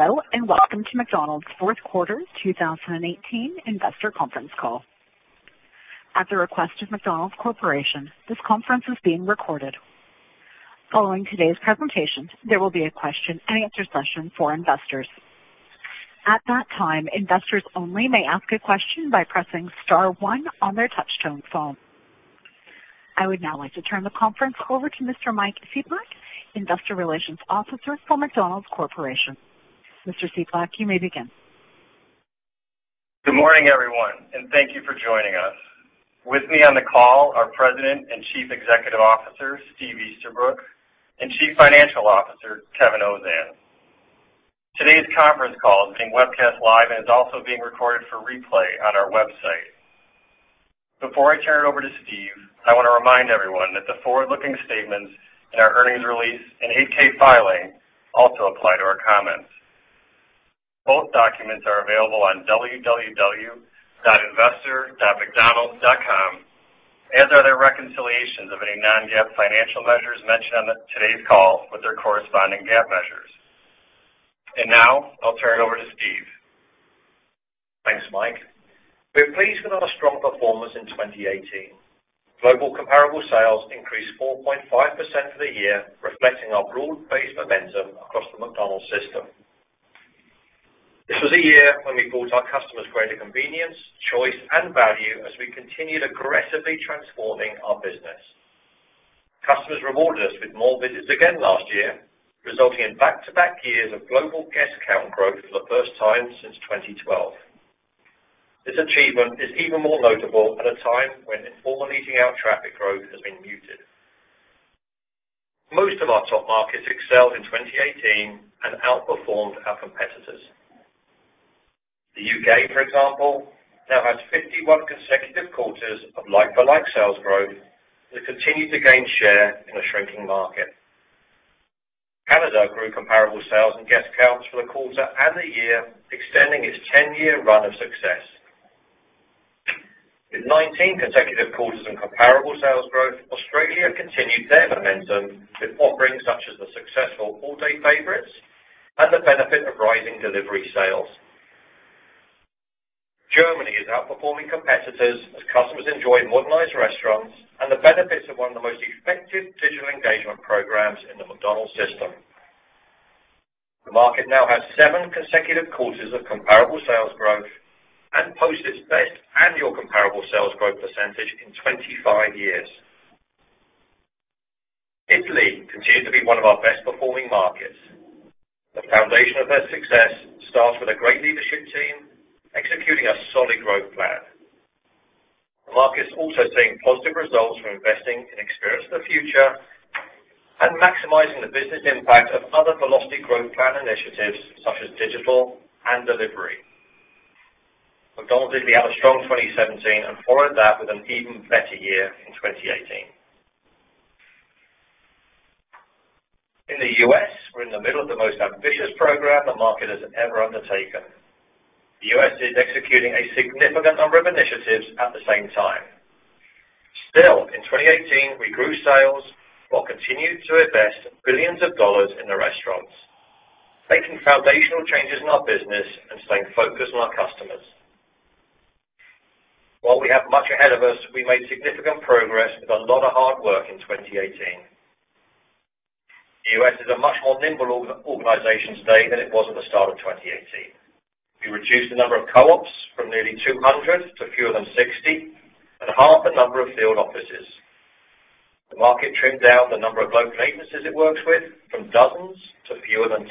Hello, and welcome to McDonald's fourth quarter 2018 investor conference call. At the request of McDonald's Corporation, this conference is being recorded. Following today's presentation, there will be a question-and-answer session for investors. At that time, investors only may ask a question by pressing star one on their touchtone phone. I would now like to turn the conference over to Mr. Mike Cieplak, Investor Relations Officer for McDonald's Corporation. Mr. Cieplak, you may begin. Good morning, everyone, and thank you for joining us. With me on the call are President and Chief Executive Officer, Steve Easterbrook, and Chief Financial Officer, Kevin Ozan. Today's conference call is being webcast live and is also being recorded for replay on our website. Before I turn it over to Steve, I want to remind everyone that the forward-looking statements in our earnings release and 8-K filing also apply to our comments. Both documents are available on www.investor.mcdonalds.com, as are the reconciliations of any non-GAAP financial measures mentioned on today's call with their corresponding GAAP measures. Now, I'll turn it over to Steve. Thanks, Mike. We're pleased with our strong performance in 2018. Global comparable sales increased 4.5% for the year, reflecting our broad-based momentum across the McDonald's system. This was a year when we brought our customers greater convenience, choice, and value as we continued aggressively transforming our business. Customers rewarded us with more visits again last year, resulting in back-to-back years of global guest count growth for the first time since 2012. This achievement is even more notable at a time when informal eating-out traffic growth has been muted. Most of our top markets excelled in 2018 and outperformed our competitors. The U.K., for example, now has 51 consecutive quarters of like-for-like sales growth. We continue to gain share in a shrinking market. Canada grew comparable sales and guest counts for the quarter and the year, extending its 10-year run of success. With 19 consecutive quarters in comparable sales growth, Australia continued their momentum with offerings such as the successful All Day Favorites and the benefit of rising delivery sales. Germany is outperforming competitors as customers enjoy modernized restaurants and the benefits of one of the most effective digital engagement programs in the McDonald's system. The market now has seven consecutive quarters of comparable sales growth and posts its best annual comparable sales growth percentage in 25 years. Italy continued to be one of our best-performing markets. The foundation of their success starts with a great leadership team executing a solid growth plan. The market's also seeing positive results from investing in Experience of the Future and maximizing the business impact of other Velocity Growth Plan initiatives such as digital and delivery. McDonald's Italy had a strong 2017 and followed that with an even better year in 2018. In the U.S., we're in the middle of the most ambitious program the market has ever undertaken. The U.S. is executing a significant number of initiatives at the same time. Still, in 2018, we grew sales while continuing to invest billions of dollars in the restaurants, making foundational changes in our business and staying focused on our customers. While we have much ahead of us, we made significant progress with a lot of hard work in 2018. The U.S. is a much more nimble organization today than it was at the start of 2018. We reduced the number of co-ops from nearly 200 to fewer than 60 and halved the number of field offices. The market trimmed down the number of local agencies it works with from dozens to fewer than 10.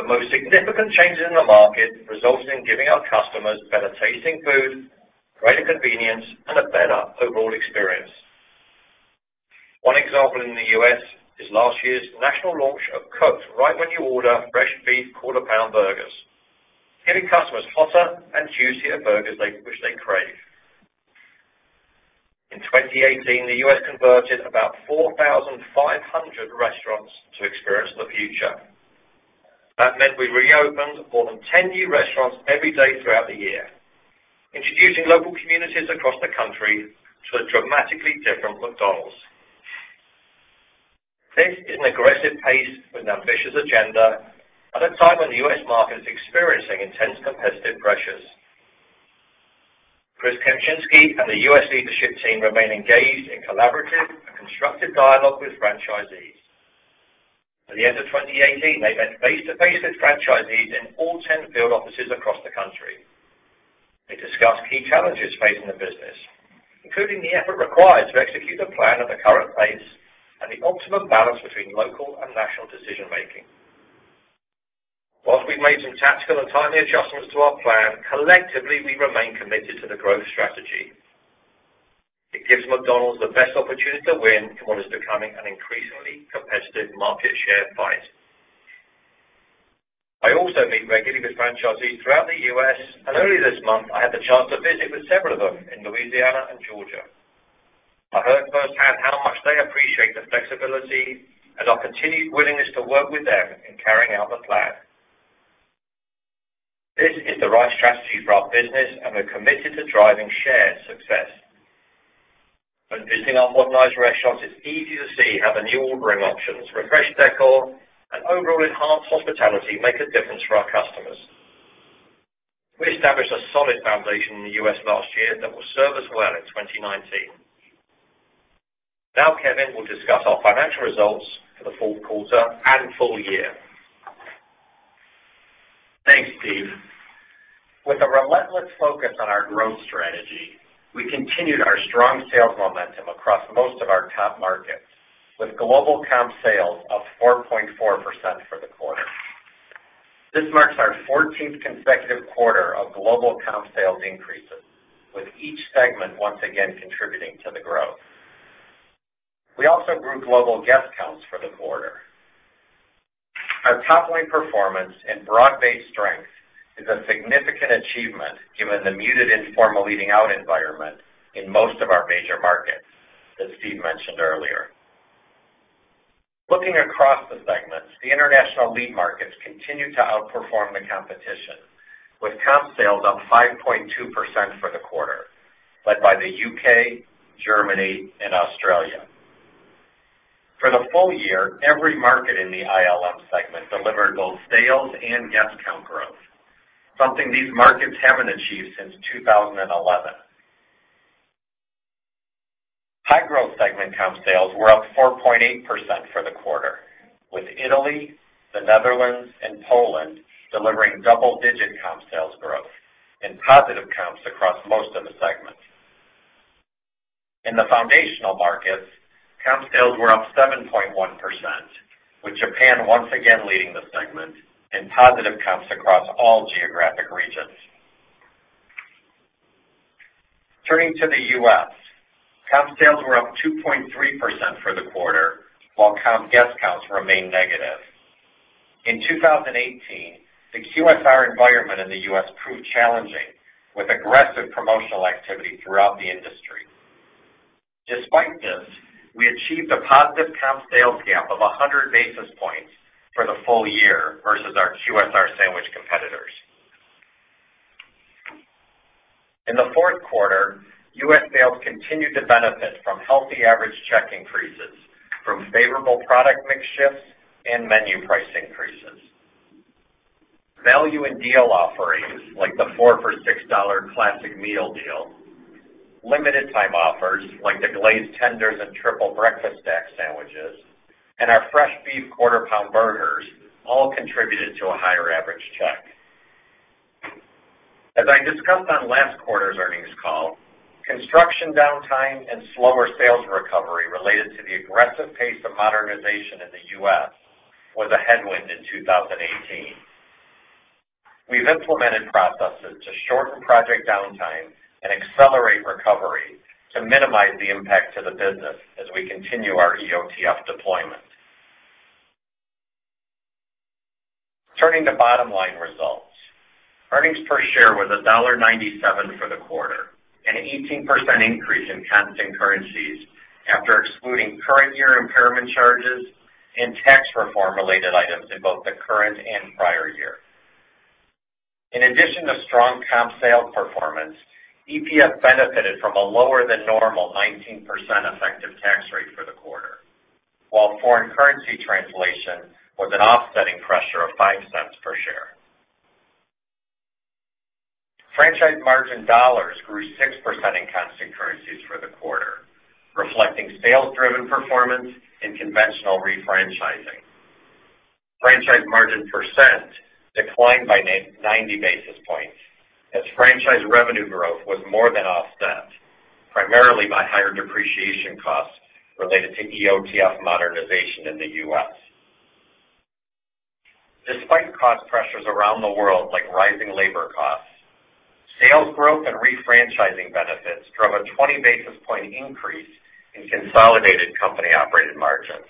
The most significant changes in the market resulted in giving our customers better-tasting food, greater convenience, and a better overall experience. One example in the U.S. is last year's national launch of cooked, right when you order, fresh beef Quarter Pound burgers, giving customers hotter and juicier burgers which they crave. In 2018, the U.S. converted about 4,500 restaurants to Experience of the Future. That meant we reopened more than 10 new restaurants every day throughout the year, introducing local communities across the country to a dramatically different McDonald's. This is an aggressive pace with an ambitious agenda at a time when the U.S. market is experiencing intense competitive pressures. Chris Kempczinski and the U.S. leadership team remain engaged in collaborative and constructive dialogue with franchisees. At the end of 2018, they met face-to-face with franchisees in all 10 field offices across the country. They discussed key challenges facing the business, including the effort required to execute the plan at the current pace and the optimum balance between local and national decision-making. Whilst we've made some tactical and timely adjustments to our plan, collectively, we remain committed to the growth strategy. It gives McDonald's the best opportunity to win in what is becoming an increasingly competitive market share fight. I also meet regularly with franchisees throughout the U.S., and early this month, I had the chance to visit with several of them in Louisiana and Georgia. I heard firsthand how much they appreciate the flexibility and our continued willingness to work with them in carrying out the plan. It's the right strategy for our business, and we're committed to driving shared success. When visiting our modernized restaurants, it's easy to see how the new ordering options, refreshed decor, and overall enhanced hospitality make a difference for our customers. We established a solid foundation in the U.S. last year that will serve us well in 2019. Now Kevin will discuss our financial results for the fourth quarter and full year. Thanks, Steve. With a relentless focus on our growth strategy, we continued our strong sales momentum across most of our top markets, with global comp sales of 4.4% for the quarter. This marks our 14th consecutive quarter of global comp sales increases, with each segment once again contributing to the growth. We also grew global guest counts for the quarter. Our top-line performance and broad-based strength is a significant achievement given the muted informal eating out environment in most of our major markets, as Steve mentioned earlier. Looking across the segments, the International Lead Markets continue to outperform the competition, with comp sales up 5.2% for the quarter, led by the U.K., Germany, and Australia. For the full year, every market in the ILM segment delivered both sales and guest count growth, something these markets haven't achieved since 2011. High-growth segment comp sales were up 4.8% for the quarter, with Italy, the Netherlands, and Poland delivering double-digit comp sales growth and positive comps across most of the segments. In the Foundational Markets, comp sales were up 7.1%, with Japan once again leading the segment in positive comps across all geographic regions. Turning to the U.S., comp sales were up 2.3% for the quarter, while comp guest counts remained negative. In 2018, the QSR environment in the U.S. proved challenging, with aggressive promotional activity throughout the industry. Despite this, we achieved a positive comp sales gap of 100 basis points for the full year versus our QSR sandwich competitors. In the fourth quarter, U.S. sales continued to benefit from healthy average check increases from favorable product mix shifts and menu price increases. Value and deal offerings like the four for $6 Classic Meal Deal, limited time offers like the Glazed Tenders and Triple Breakfast Stacks sandwiches, and our fresh beef Quarter Pound burgers all contributed to a higher average check. As I discussed on last quarter's earnings call, construction downtime and slower sales recovery related to the aggressive pace of modernization in the U.S. was a headwind in 2018. We've implemented processes to shorten project downtime and accelerate recovery to minimize the impact to the business as we continue our EOTF deployment. Turning to bottom-line results, earnings per share was $1.97 for the quarter, an 18% increase in constant currencies after excluding current year impairment charges and tax reform related items in both the current and prior year. In addition to strong comp sales performance, EPS benefited from a lower than normal 19% effective tax rate for the quarter, while foreign currency translation was an offsetting pressure of $0.05 per share. Franchise margin dollars grew 6% in constant currencies for the quarter, reflecting sales-driven performance and conventional refranchising. Franchise margin percent declined by 90 basis points as franchise revenue growth was more than offset primarily by higher depreciation costs related to EOTF modernization in the U.S. Despite cost pressures around the world like rising labor costs, sales growth and refranchising benefits drove a 20 basis point increase in consolidated company-operated margins.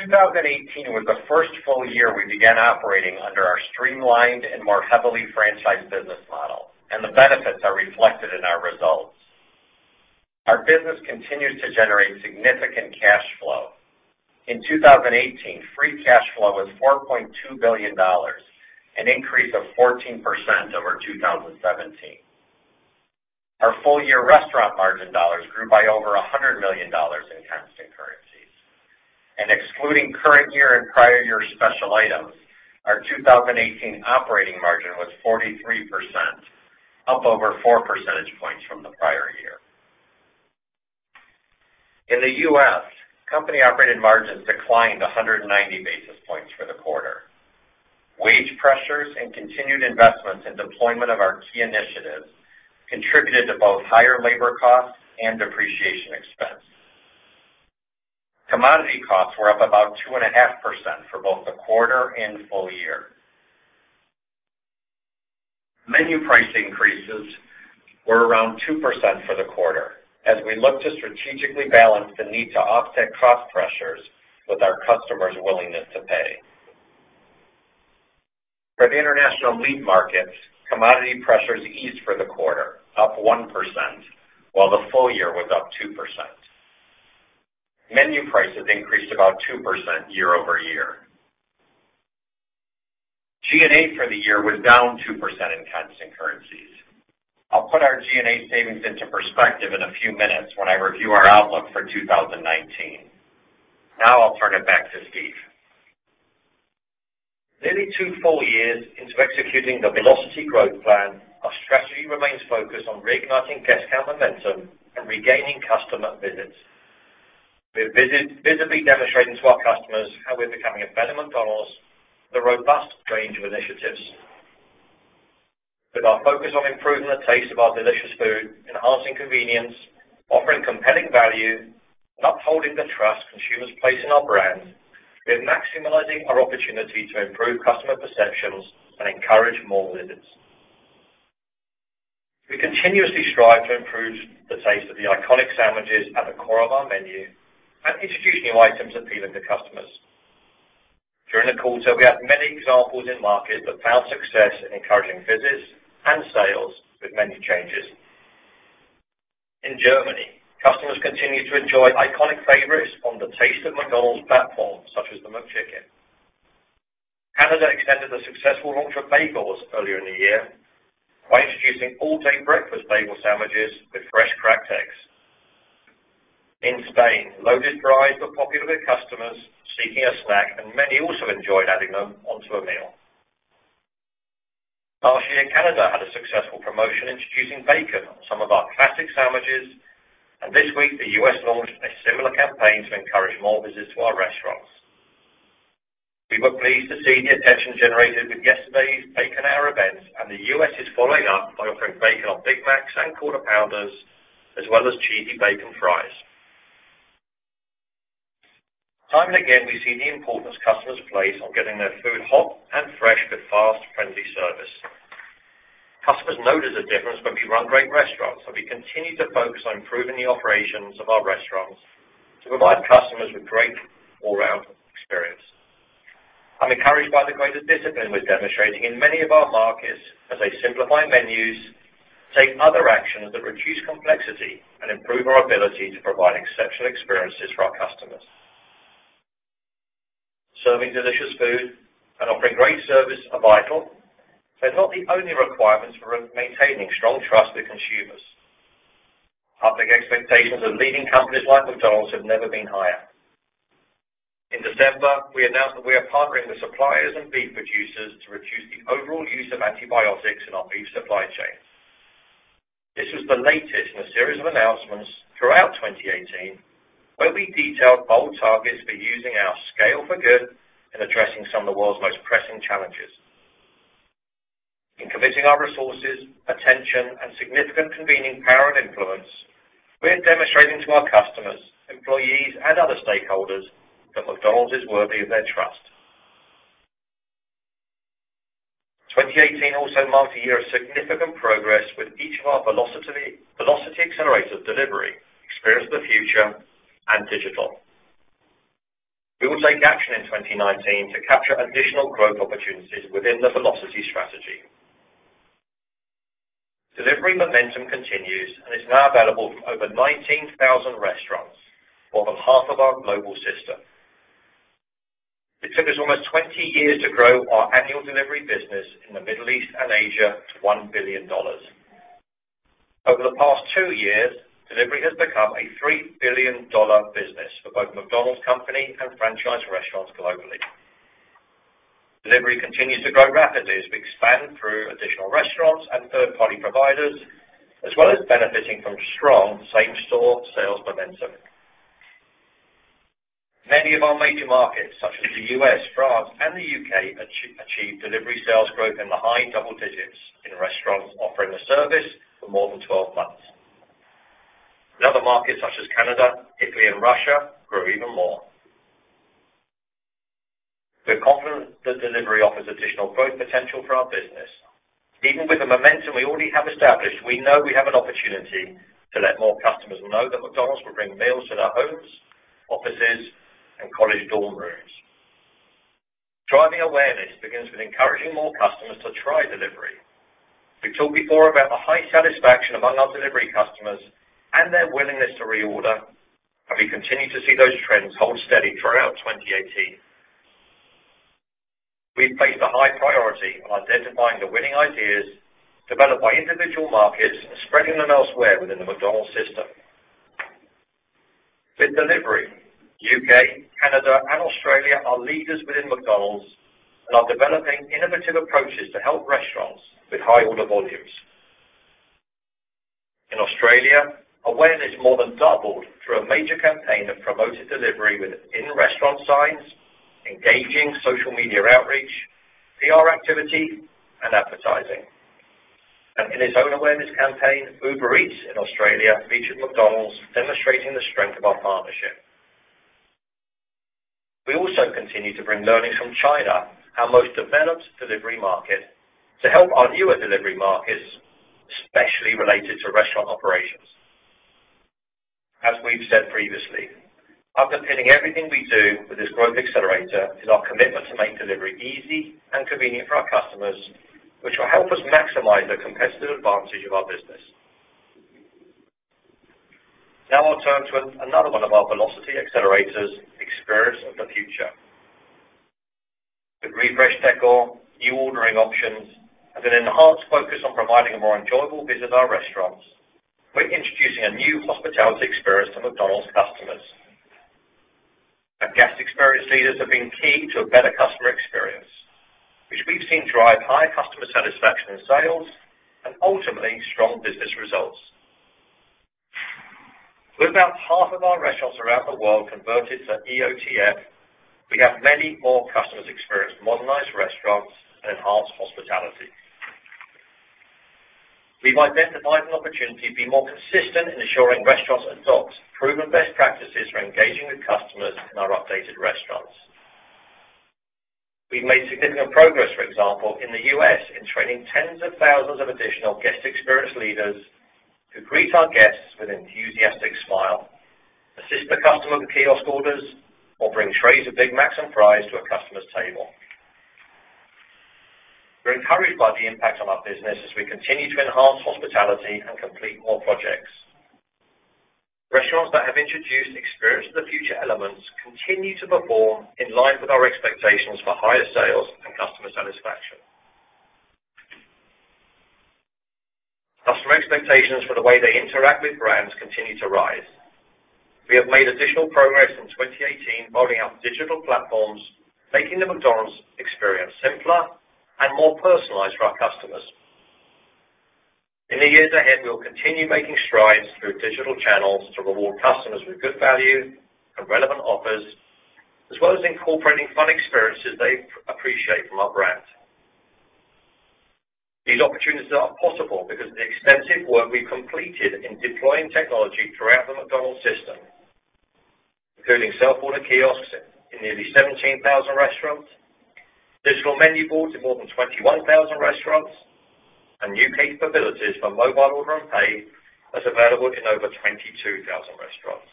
2018 was the first full year we began operating under our streamlined and more heavily franchised business model, and the benefits are reflected in our results. Our business continues to generate significant cash flow. In 2018, free cash flow was $4.2 billion, an increase of 14% over 2017. Our full-year restaurant margin dollars grew by over $100 million in constant currencies. Excluding current year and prior year special items, our 2018 operating margin was 43%, up over 4 percentage points from the prior year. In the U.S., company-operated margins declined 190 basis points for the quarter. Wage pressures and continued investments in deployment of our key initiatives contributed to both higher labor costs and depreciation expense. Commodity costs were up about 2.5% for both the quarter and full year. Menu price increases were around 2% for the quarter as we look to strategically balance the need to offset cost pressures with our customers' willingness to pay. For the International Lead Markets, commodity pressures eased for the quarter, up 1%, while the full year was up 2%. Menu prices increased about 2% year-over-year. G&A for the year was down 2% in constant currencies. I'll put our G&A savings into perspective in a few minutes when I review our outlook for 2019. I'll turn it back to Steve. Nearly two full years into executing the Velocity Growth Plan, our strategy remains focused on reigniting guest count momentum and regaining customer visits. We're visibly demonstrating to our customers how we're becoming a better McDonald's with a robust range of initiatives. With our focus on improving the taste of our delicious food, enhancing convenience, offering compelling value, and upholding the trust consumers place in our brand, we're maximizing our opportunity to improve customer perceptions and encourage more visits. We continuously strive to improve the taste of the iconic sandwiches at the core of our menu and introduce new items appealing to customers. During the quarter, we had many examples in markets that found success in encouraging visits and sales with menu changes. In Germany, customers continued to enjoy iconic favorites from the Taste of McDonald's platform, such as the McChicken. Canada extended the successful launch of bagels earlier in the year by introducing All Day Breakfast bagel sandwiches with fresh cracked eggs. In Spain, loaded fries were popular with customers seeking a snack, and many also enjoyed adding them onto a meal. Last year, Canada had a successful promotion introducing bacon on some of our classic sandwiches, and this week the U.S. launched a similar campaign to encourage more visits to our restaurants. We were pleased to see the attention generated with yesterday's Bacon Hour events, and the U.S. is following up by offering bacon on Big Macs and Quarter Pounders, as well as Cheesy Bacon Fries. Time and again, we see the importance customers place on getting their food hot and fresh with fast, friendly service. Customers notice a difference when we run great restaurants, so we continue to focus on improving the operations of our restaurants to provide customers with great all-around experience. I'm encouraged by the greater discipline we're demonstrating in many of our markets as they simplify menus, take other actions that reduce complexity, and improve our ability to provide exceptional experiences for our customers. Serving delicious food and offering great service are vital. They're not the only requirements for maintaining strong trust with consumers. Public expectations of leading companies like McDonald's have never been higher. In December, we announced that we are partnering with suppliers and beef producers to reduce the overall use of antibiotics in our beef supply chain. This was the latest in a series of announcements throughout 2018, where we detailed bold targets for using our Scale for Good in addressing some of the world's most pressing challenges. In committing our resources, attention, and significant convening power and influence, we're demonstrating to our customers, employees, and other stakeholders that McDonald's is worthy of their trust. 2018 also marked a year of significant progress with each of our Velocity accelerators delivery, Experience of the Future, and Digital. We will take action in 2019 to capture additional growth opportunities within the Velocity strategy. Delivery momentum continues and is now available from over 19,000 restaurants, more than half of our global system. It took us almost 20 years to grow our annual delivery business in the Middle East and Asia to $1 billion. Over the past two years, delivery has become a $3 billion business for both McDonald's company and franchise restaurants globally. Delivery continues to grow rapidly as we expand through additional restaurants and third-party providers, as well as benefiting from strong same-store sales momentum. Many of our major markets, such as the U.S., France, and the U.K., achieved delivery sales growth in the high double digits in restaurants offering the service for more than 12 months. In other markets such as Canada, Italy, and Russia, grew even more. We're confident that delivery offers additional growth potential for our business. Even with the momentum we already have established, we know we have an opportunity to let more customers know that McDonald's will bring meals to their homes, offices, and college dorm rooms. Driving awareness begins with encouraging more customers to try delivery. We've talked before about the high satisfaction among our delivery customers and their willingness to reorder, and we continue to see those trends hold steady throughout 2018. We've placed a high priority on identifying the winning ideas developed by individual markets and spreading them elsewhere within the McDonald's system. With delivery, U.K., Canada, and Australia are leaders within McDonald's and are developing innovative approaches to help restaurants with high order volumes. In Australia, awareness more than doubled through a major campaign that promoted delivery with in-restaurant signs, engaging social media outreach, PR activity, and advertising. In its own awareness campaign, Uber Eats in Australia featured McDonald's, demonstrating the strength of our partnership. We also continue to bring learnings from China, our most developed delivery market, to help our newer delivery markets, especially related to restaurant operations. As we've said previously, underpinning everything we do with this growth accelerator is our commitment to make delivery easy and convenient for our customers, which will help us maximize the competitive advantage of our business. I'll turn to another one of our Velocity accelerators, Experience of the Future. With refreshed decor, new ordering options, and an enhanced focus on providing a more enjoyable visit to our restaurants, we're introducing a new hospitality experience to McDonald's customers. Our guest experience leaders have been key to a better customer experience, which we've seen drive higher customer satisfaction in sales, and ultimately, strong business results. With about half of our restaurants around the world converted to EOTF, we have many more customers experience modernized restaurants and enhanced hospitality. We've identified an opportunity to be more consistent in ensuring restaurants adopt proven best practices for engaging with customers in our updated restaurants. We've made significant progress, for example, in the U.S., in training tens of thousands of additional guest experience leaders who greet our guests with an enthusiastic smile, assist the customer with kiosk orders, or bring trays of Big Mac and fries to a customer's table. We're encouraged by the impact on our business as we continue to enhance hospitality and complete more projects. Restaurants that have introduced Experience of the Future elements continue to perform in line with our expectations for higher sales and customer satisfaction. Customer expectations for the way they interact with brands continue to rise. We have made additional progress in 2018 building out digital platforms, making the McDonald's experience simpler and more personalized for our customers. In the years ahead, we will continue making strides through digital channels to reward customers with good value and relevant offers, as well as incorporating fun experiences they appreciate from our brand. These opportunities are possible because of the extensive work we've completed in deploying technology throughout the McDonald's system, including self-order kiosks in nearly 17,000 restaurants, digital menu boards in more than 21,000 restaurants, and new capabilities for Mobile Order & Pay that's available in over 22,000 restaurants.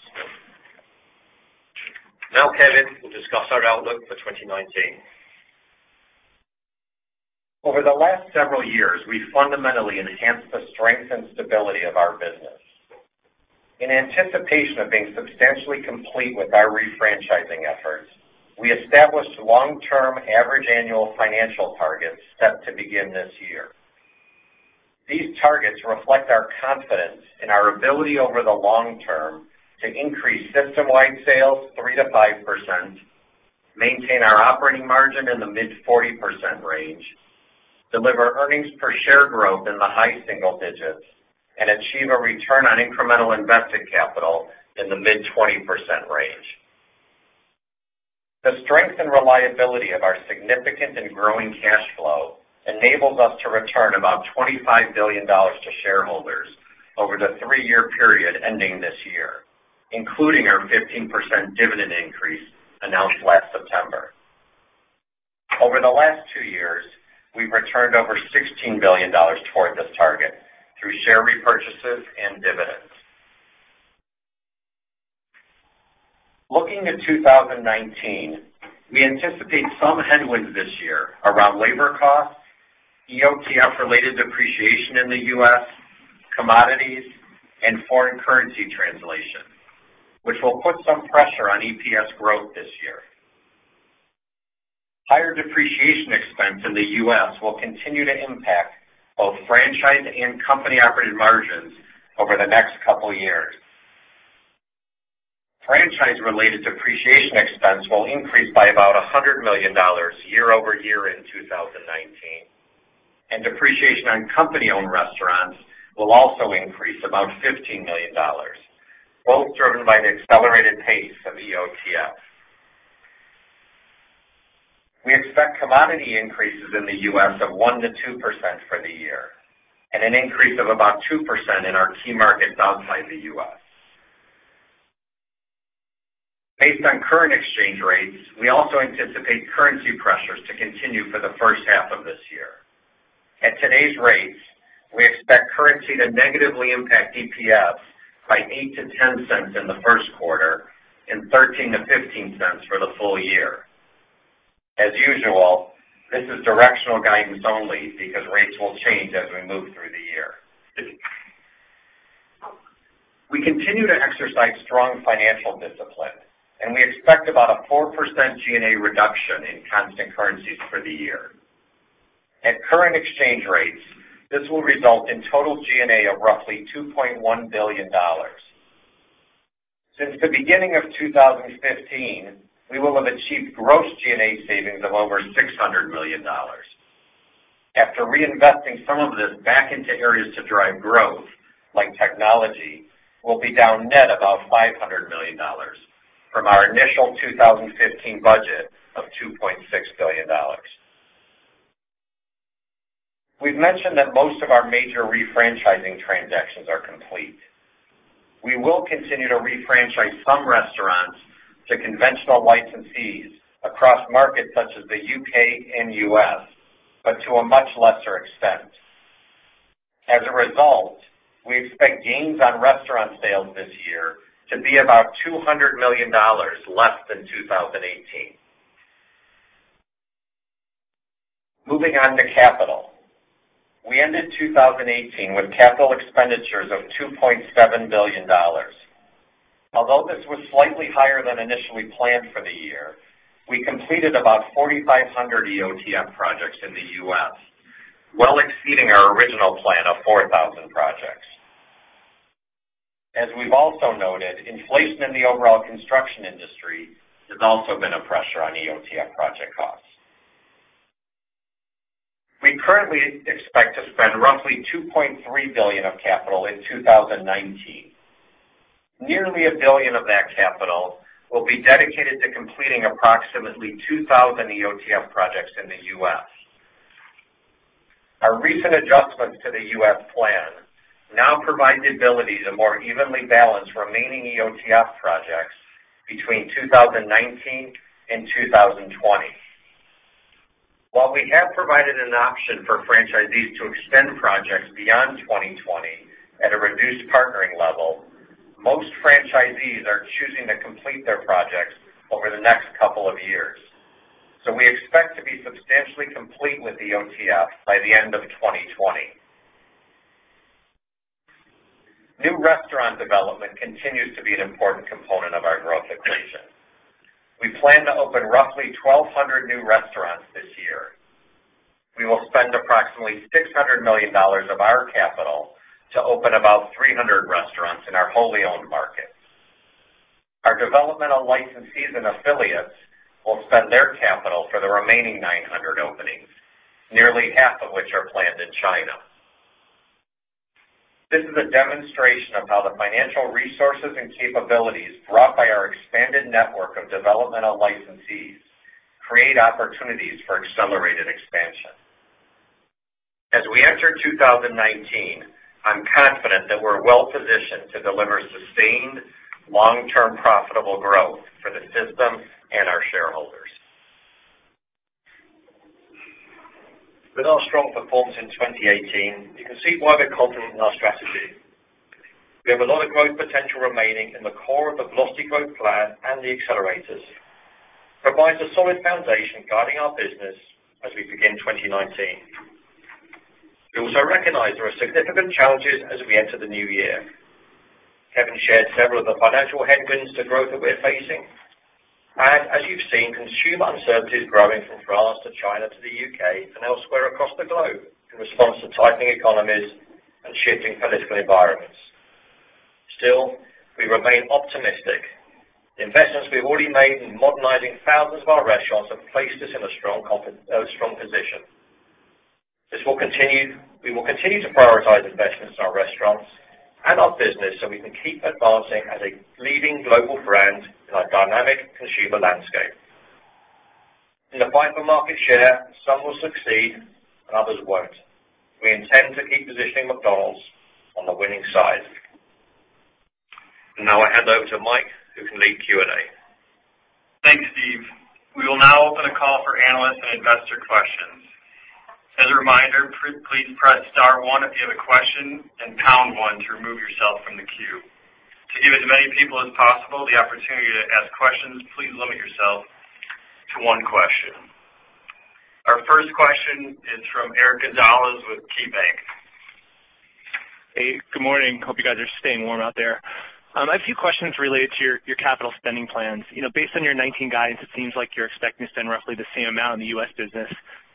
Now, Kevin will discuss our outlook for 2019. Over the last several years, we fundamentally enhanced the strength and stability of our business. In anticipation of being substantially complete with our re-franchising efforts, we established long-term average annual financial targets set to begin this year. These targets reflect our confidence in our ability over the long term to increase system-wide sales 3%-5%, maintain our operating margin in the mid-40% range, deliver earnings per share growth in the high single digits, and achieve a return on incremental invested capital in the mid-20% range. The strength and reliability of our significant and growing cash flow enables us to return about $25 billion to shareholders over the three-year period ending this year, including our 15% dividend increase announced last September. Over the last two years, we've returned over $16 billion toward this target through share repurchases and dividends. Looking to 2019, we anticipate some headwinds this year around labor costs, EOTF-related depreciation in the U.S., commodities, and foreign currency translation, which will put some pressure on EPS growth this year. Higher depreciation expense in the U.S. will continue to impact both franchise and company-operated margins over the next couple of years. Franchise-related depreciation expense will increase by about $100 million year-over-year in 2019, and depreciation on company-owned restaurants will also increase about $15 million, both driven by the accelerated pace of EOTF. We expect commodity increases in the U.S. of 1%-2% for the year, and an increase of about 2% in our key markets outside the U.S. Based on current exchange rates, we also anticipate currency pressures to continue for the first half of this year. At today's rates, we expect currency to negatively impact EPS by $0.08-$0.10 in the first quarter and $0.13-$0.15 for the full year. As usual, this is directional guidance only because rates will change as we move through the year. We continue to exercise strong financial discipline. We expect about a 4% G&A reduction in constant currencies for the year. At current exchange rates, this will result in total G&A of roughly $2.1 billion. Since the beginning of 2015, we will have achieved gross G&A savings of over $600 million. After reinvesting some of this back into areas to drive growth, like technology, we'll be down net about $500 million from our initial 2015 budget of $2.6 billion. We've mentioned that most of our major re-franchising transactions are complete. We will continue to re-franchise some restaurants to conventional licensees across markets such as the U.K. and U.S., but to a much lesser extent. As a result, we expect gains on restaurant sales this year to be about $200 million less than 2018. Moving on to capital. We ended 2018 with capital expenditures of $2.7 billion. Although this was slightly higher than initially planned for the year, we completed about 4,500 EOTF projects in the U.S., well exceeding our original plan of 4,000 projects. As we've also noted, inflation in the overall construction industry has also been a pressure on EOTF project costs. We currently expect to spend roughly $2.3 billion of capital in 2019. Nearly $1 billion of that capital will be dedicated to completing approximately 2,000 EOTF projects in the U.S. Our recent adjustments to the U.S. plan now provide the ability to more evenly balance remaining EOTF projects between 2019 and 2020. While we have provided an option for franchisees to extend projects beyond 2020 at a reduced partnering level, most franchisees are choosing to complete their projects over the next couple of years. We expect to be substantially complete with EOTF by the end of 2020. New restaurant development continues to be an important component of our growth equation. We plan to open roughly 1,200 new restaurants this year. We will spend approximately $600 million of our capital to open about 300 restaurants in our wholly owned markets. Our developmental licensees and affiliates will spend their capital for the remaining 900 openings, nearly half of which are planned in China. This is a demonstration of how the financial resources and capabilities brought by our expanded network of developmental licensees create opportunities for accelerated expansion. As we enter 2019, I'm confident that we're well-positioned to deliver sustained, long-term profitable growth for the system and our shareholders. With our strong performance in 2018, you can see why we're confident in our strategy. We have a lot of growth potential remaining in the core of the Velocity Growth Plan and the accelerators, provides a solid foundation guiding our business as we begin 2019. We also recognize there are significant challenges as we enter the New Year. Kevin shared several of the financial headwinds to growth that we're facing, as you've seen, consumer uncertainty is growing from France to China to the U.K. and elsewhere across the globe in response to tightening economies and shifting political environments. Still, we remain optimistic. The investments we've already made in modernizing thousands of our restaurants have placed us in a strong position. We will continue to prioritize investments in our restaurants and our business so we can keep advancing as a leading global brand in a dynamic consumer landscape. In the fight for market share, some will succeed and others won't. We intend to keep positioning McDonald's on the winning side. Now I hand over to Mike, who can lead Q&A. Thanks, Steve. We will now open a call for analyst and investor questions. As a reminder, please press star one if you have a question and pound one to remove yourself from the queue. To give as many people as possible the opportunity to ask questions, please limit yourself to one question. Our first question is from Eric Gonzalez with KeyBanc. Hey, good morning. Hope you guys are staying warm out there. I have a few questions related to your capital spending plans. Based on your 2019 guidance, it seems like you're expecting to spend roughly the same amount in the U.S. business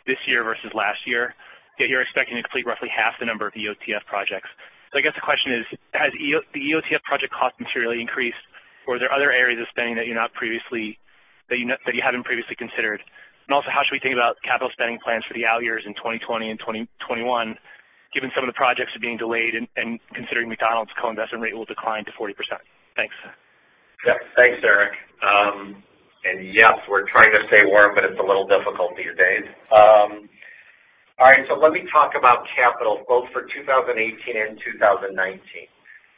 this year versus last year, yet you're expecting to complete roughly half the number of EOTF projects. I guess the question is, has the EOTF project cost materially increased, or are there other areas of spending that you haven't previously considered? Also, how should we think about capital spending plans for the out years in 2020 and 2021, given some of the projects are being delayed and considering McDonald's co-investment rate will decline to 40%? Thanks. Yeah. Thanks, Eric. Yes, we're trying to stay warm, but it's a little difficult these days. All right, let me talk about capital both for 2018 and 2019.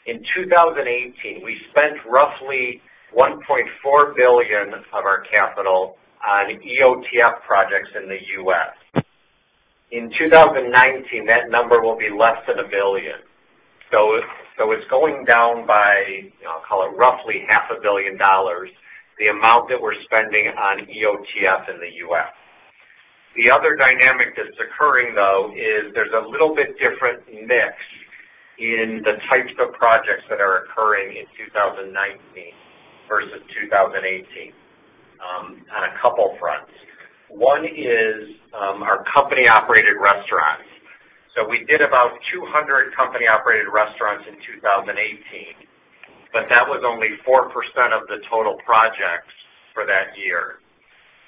In 2018, we spent roughly $1.4 billion of our capital on EOTF projects in the U.S. In 2019, that number will be less than $1 billion. It's going down by, I'll call it, roughly half a billion dollars, the amount that we're spending on EOTF in the U.S. The other dynamic that's occurring, though, is there's a little bit different mix in the types of projects that are occurring in 2019 versus 2018 on a couple fronts. One is our company-operated restaurants. We did about 200 company-operated restaurants in 2018, but that was only 4% of the total projects for that year.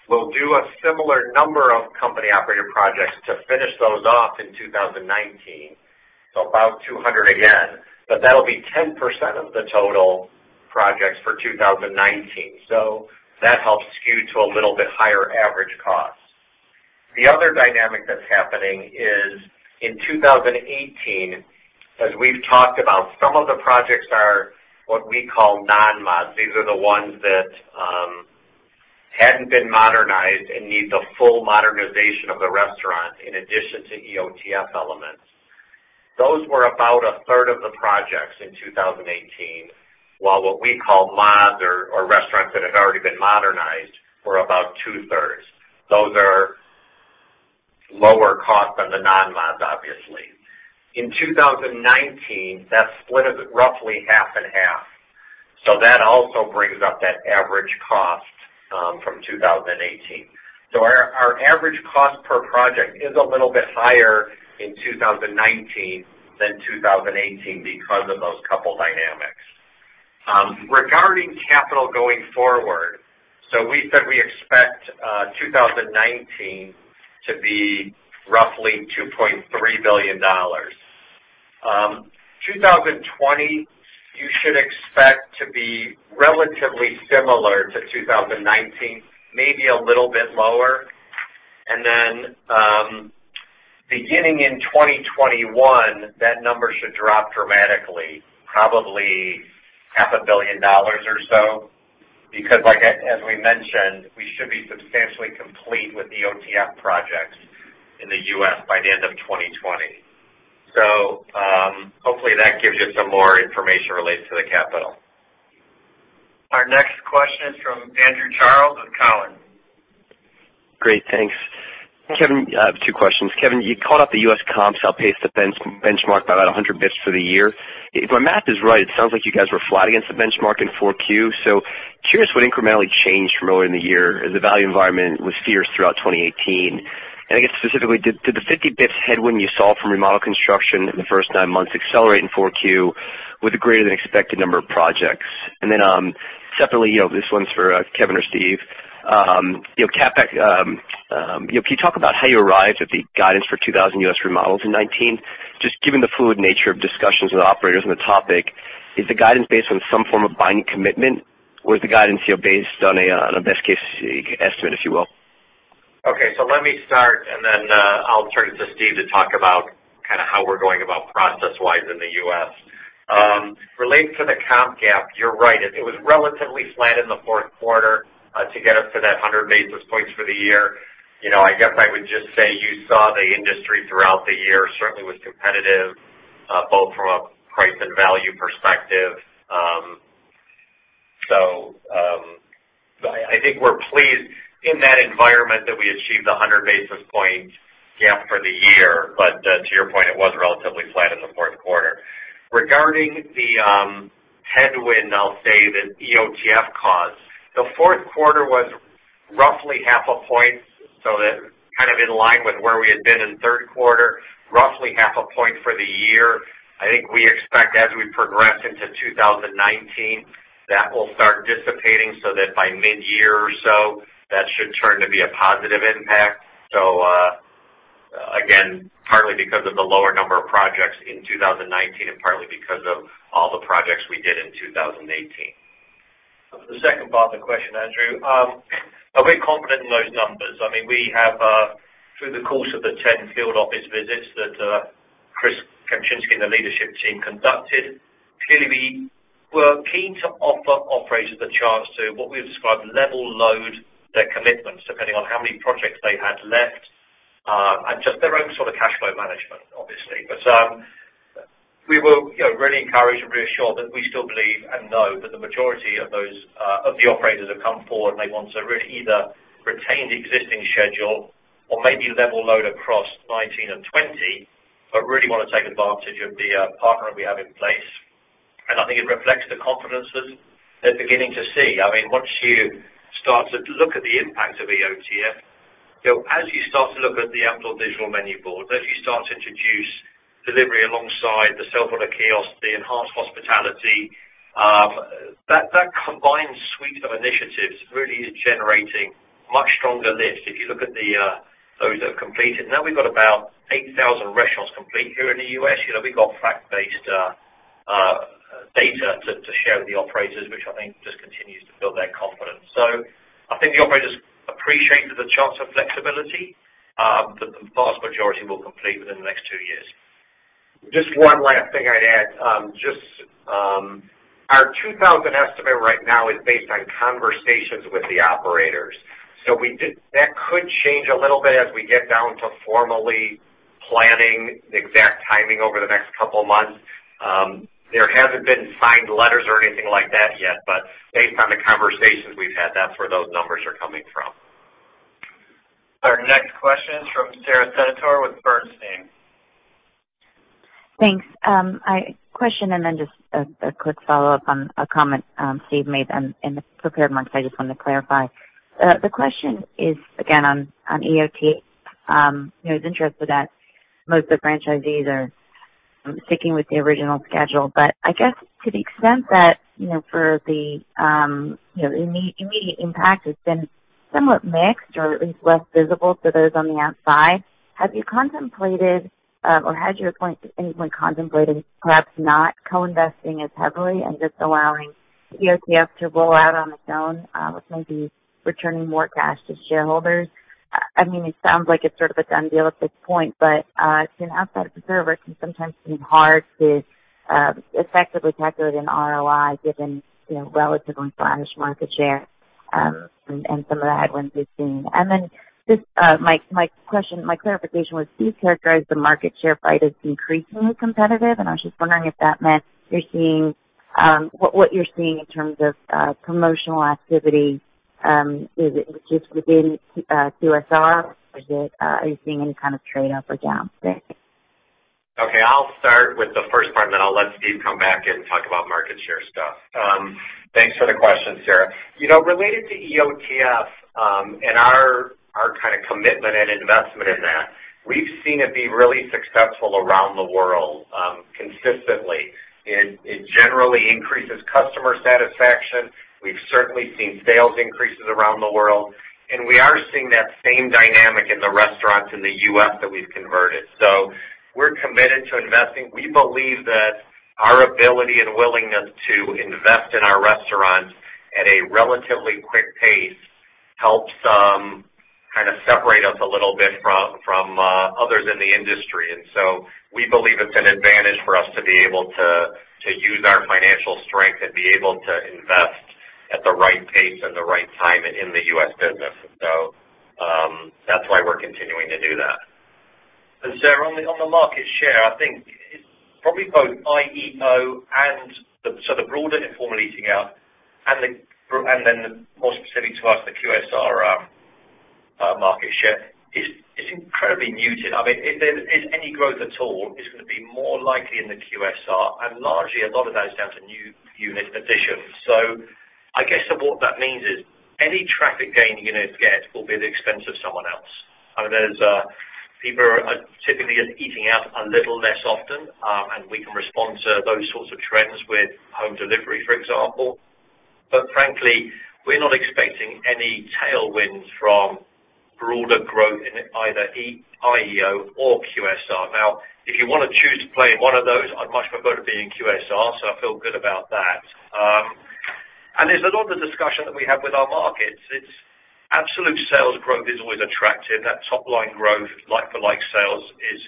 We'll do a similar number of company-operated projects to finish those off in 2019, about 200 again. That'll be 10% of the total projects for 2019, that helps skew to a little bit higher average cost. The other dynamic that's happening is in 2018, as we've talked about, some of the projects are what we call non-mods. These are the ones that hadn't been modernized and need the full modernization of the restaurant in addition to EOTF elements. Those were about a third of the projects in 2018, while what we call mods or restaurants that have already been modernized were about two-thirds. Those are lower cost than the non-mods, obviously. In 2019, that split is roughly half and half. That also brings up that average cost from 2018. Our average cost per project is a little bit higher in 2019 than 2018 because of those couple dynamics. Regarding capital going forward, we said we expect 2019 to be roughly $2.3 billion. 2020, you should expect to be relatively similar to 2019, maybe a little bit lower. Beginning in 2021, that number should drop dramatically, probably half a billion dollars or so. As we mentioned, we should be substantially complete with EOTF projects in the U.S. by the end of 2020. Hopefully, that gives you some more information related to the capital. Our next question is from Andrew Charles with Cowen. Great, thanks. I have two questions. Kevin, you called out the U.S. comps outpaced the benchmark by about 100 bps for the year. If my math is right, it sounds like you guys were flat against the benchmark in 4Q, curious what incrementally changed from earlier in the year as the value environment was fierce throughout 2018. I guess specifically, did the 50 bps headwind you saw from remodel construction in the first nine months accelerate in 4Q with a greater than expected number of projects? Separately, this one's for Kevin or Steve. CapEx, can you talk about how you arrived at the guidance for 2,000 U.S. remodels in 2019? Just given the fluid nature of discussions with operators on the topic, is the guidance based on some form of binding commitment, or is the guidance based on a best case estimate, if you will? Okay, let me start, I'll turn it to Steve to talk about how we're going about process-wise in the U.S. Related to the comp gap, you're right. It was relatively flat in the fourth quarter to get us to that 100 basis points for the year. I guess I would just say you saw the industry throughout the year certainly was competitive both from a price and value perspective. I think we're pleased in that environment that we achieved 100 basis point gap for the year. To your point, it was relatively flat in the fourth quarter. Regarding the headwind, I'll say, that EOTF caused. The fourth quarter was roughly half a point, so that kind of in line with where we had been in the third quarter, roughly half a point for the year. I think we expect as we progress into 2019, that will start dissipating so that by mid-year or so, that should turn to be a positive impact. Again, partly because of the lower number of projects in 2019 and partly because of all the projects we did in 2018. The second part of the question, Andrew. Are we confident in those numbers? We have, through the course of the 10 field office visits that Chris Kempczinski and the leadership team conducted. Clearly, we were keen to offer operators the chance to, what we would describe, level load their commitments depending on how many projects they had left, and just their own sort of cash flow management, obviously. We were really encouraged and reassured that we still believe and know that the majority of the operators have come forward, and they want to either retain the existing schedule or maybe level load across 2019 and 2020, but really want to take advantage of the partner that we have in place. I think it reflects the confidence that they're beginning to see. Once you start to look at the impact of EOTF, as you start to look at the outdoor digital menu board, as you start to introduce delivery alongside the self-order kiosks, the enhanced hospitality. That combined suite of initiatives really is generating much stronger lifts. If you look at those that have completed. Now we've got about 8,000 restaurants complete here in the U.S. We've got fact-based data to share with the operators, which I think just continues to build their confidence. I think the operators appreciated the chance of flexibility. The vast majority will complete within the next two years. Just one last thing I'd add. Our 2,000 estimate right now is based on conversations with the operators. That could change a little bit as we get down to formally planning the exact timing over the next couple of months. There haven't been signed letters or anything like that yet, but based on the conversations we've had, that's where those numbers are coming from. Our next question is from Sara Senatore with Bernstein. Thanks. A question, then just a quick follow-up on a comment Steve made in the prepared remarks I just wanted to clarify. The question is again on EOTF. It was interesting that most of the franchisees are sticking with the original schedule. I guess to the extent that for the immediate impact, it's been somewhat mixed or at least less visible for those on the outside. Have you contemplated or has anyone contemplated perhaps not co-investing as heavily and just allowing EOTF to roll out on its own with maybe returning more cash to shareholders? I mean, it sounds like it's sort of a done deal at this point, to an outside observer, it can sometimes seem hard to effectively calculate an ROI given relatively tarnished market share, and some of the headwinds we've seen. Just my clarification was, do you characterize the market share fight as increasingly competitive? I was just wondering if that meant what you're seeing in terms of promotional activity, is it just within QSR, or are you seeing any kind of trade up or down there? Okay, I'll start with the first part, then I'll let Steve come back and talk about market share stuff. Thanks for the question, Sara. Related to EOTF, and our commitment and investment in that, we've seen it be really successful around the world, consistently. It generally increases customer satisfaction. We've certainly seen sales increases around the world, we are seeing that same dynamic in the restaurants in the U.S. that we've converted. We're committed to investing. We believe that our ability and willingness to invest in our restaurants at a relatively quick pace helps separate us a little bit from others in the industry. We believe it's an advantage for us to be able to use our financial strength and be able to invest at the right pace at the right time in the U.S. business. That's why we're continuing to do that. Sara, on the market share, I think it's probably both IEO, the broader Informal Eating Out, and then more specific to us, the QSR market share is incredibly muted. If there is any growth at all, it's going to be more likely in the QSR, largely a lot of that is down to new unit additions. I guess what that means is any traffic gain you're going to get will be at the expense of someone else. There's people are typically eating out a little less often, we can respond to those sorts of trends with home delivery, for example. Frankly, we're not expecting any tailwinds from broader growth in either IEO or QSR. If you want to choose to play in one of those, I'd much prefer to be in QSR, I feel good about that. There's a lot of discussion that we have with our markets. Absolute sales growth is always attractive. That top-line growth, like-for-like sales is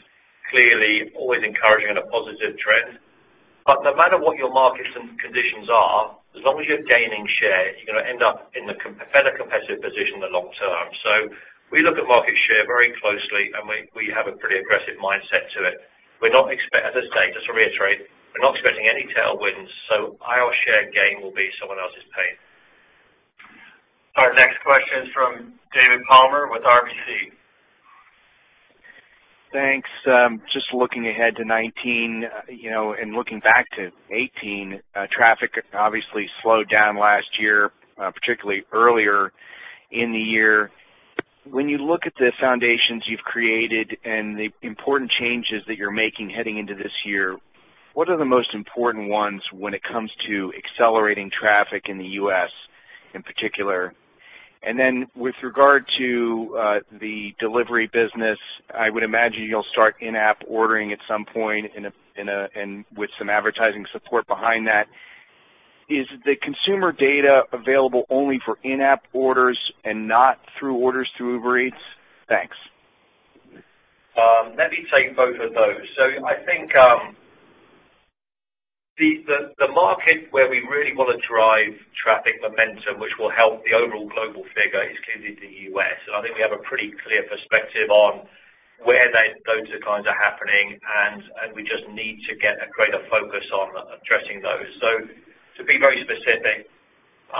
clearly always encouraging and a positive trend. No matter what your markets and conditions are, as long as you're gaining share, you're going to end up in a better competitive position in the long term. We look at market share very closely, and we have a pretty aggressive mindset to it. As I say, just to reiterate, we're not expecting any tailwinds, so our share gain will be someone else's pain. Our next question is from David Palmer with RBC. Thanks. Just looking ahead to 2019, looking back to 2018, traffic obviously slowed down last year, particularly earlier in the year. When you look at the foundations you've created and the important changes that you're making heading into this year, what are the most important ones when it comes to accelerating traffic in the U.S. in particular? With regard to the delivery business, I would imagine you'll start in-app ordering at some point with some advertising support behind that. Is the consumer data available only for in-app orders and not through orders through Uber Eats? Thanks. Let me take both of those. I think the market where we really want to drive traffic momentum, which will help the overall global figure, is clearly the U.S. I think we have a pretty clear perspective on where those declines are happening, and we just need to get a greater focus on addressing those. To be very specific,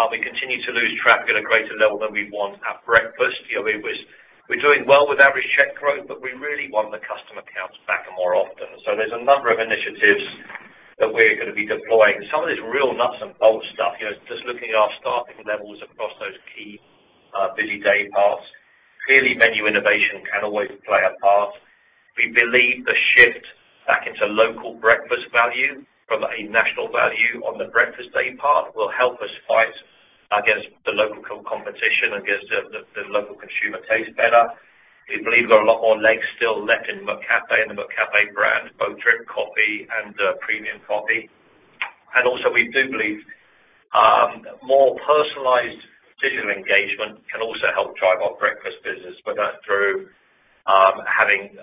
we continue to lose traffic at a greater level than we want at breakfast. We're doing well with average check growth, but we really want the customer counts back more often. There's a number of initiatives that we're going to be deploying. Some of this real nuts and bolts stuff, just looking at our staffing levels across those key busy day parts. Clearly, menu innovation can always play a part. We believe the shift back into local breakfast value from a national value on the breakfast day part will help us fight against the local competition, against the local consumer taste better. We believe there are a lot more legs still left in McCafé and the McCafé brand, both drip coffee and premium coffee. We do believe more personalized digital engagement can also help drive our breakfast business, whether that's through having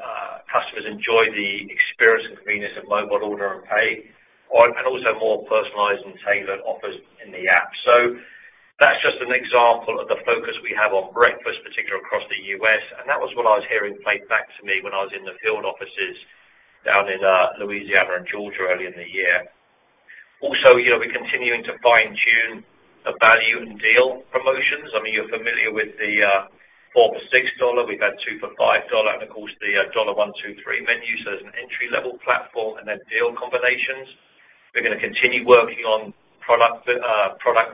customers enjoy the experience and convenience of Mobile Order & Pay, and also more personalized and tailored offers in the app. That's just an example of the focus we have on breakfast, particularly across the U.S. That was what I was hearing played back to me when I was in the field offices down in Louisiana and Georgia early in the year. We're continuing to fine-tune the value and deal promotions. I mean, you're familiar with the four for $6. We've had 2 for $5 and of course, the $1, $2, $3 Menus. There's an entry-level platform and then deal combinations. We're going to continue working on product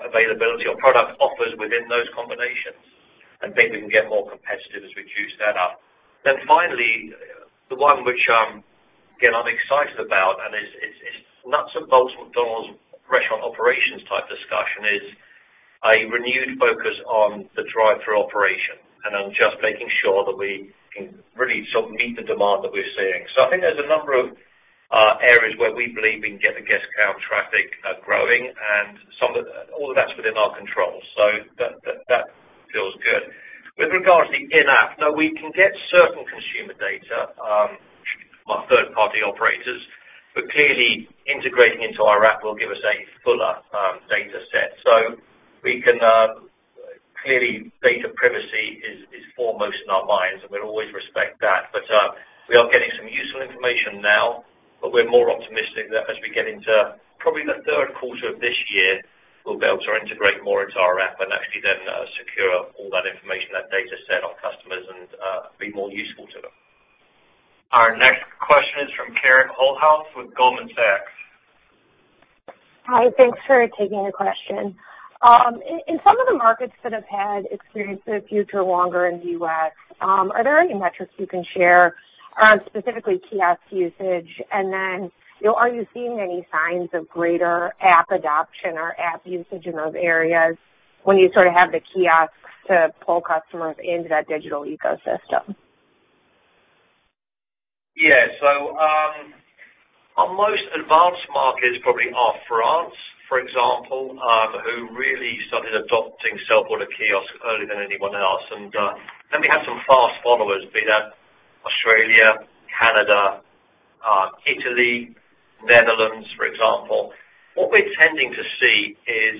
availability or product offers within those combinations, and think we can get more competitive as we juice that up. Finally, the one which, again, I'm excited about, and it's nuts and bolts from McDonald's restaurant operations type discussion is a renewed focus on the drive-thru operation, and on just making sure that we can really sort of meet the demand that we're seeing. I think there's a number of areas where we believe we can get the guest count traffic growing and. All of that's within our control, so that feels good. With regards to in-app, no, we can get certain consumer data from our third-party operators, but clearly integrating into our app will give us a fuller data set. Clearly, data privacy is foremost in our minds, and we'll always respect that. We are getting some useful information now, but we're more optimistic that as we get into probably the third quarter of this year, we'll be able to integrate more into our app and actually then secure all that information, that data set, our customers, and be more useful to them. Our next question is from Karen Holthouse with Goldman Sachs. Hi. Thanks for taking the question. In some of the markets that have had Experience of the Future longer in the U.S., are there any metrics you can share on specifically kiosk usage? Are you seeing any signs of greater app adoption or app usage in those areas when you sort of have the kiosks to pull customers into that digital ecosystem? Yeah. Our most advanced markets probably are France, for example, who really started adopting self-order kiosk earlier than anyone else. We have some fast followers, be that Australia, Canada, Italy, Netherlands, for example. What we're tending to see is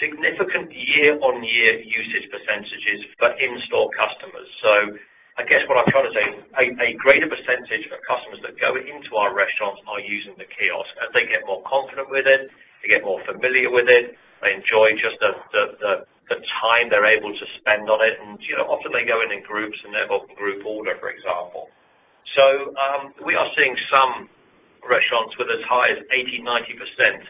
significant year-on-year usage percentages for in-store customers. I guess what I'm trying to say, a greater percentage of customers that go into our restaurants are using the kiosk. As they get more confident with it, they get more familiar with it. They enjoy just the time they're able to spend on it. Often they go in in groups, and they book a group order, for example. We are seeing some restaurants with as high as 80%, 90%